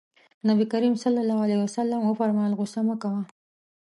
نبي کريم ص وفرمايل غوسه مه کوه.